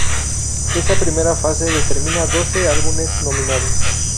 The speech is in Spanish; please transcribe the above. Esa primera fase determina doce álbumes nominados.